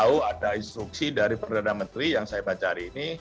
itu yang kita tahu ada instruksi dari perdana menteri yang saya baca hari ini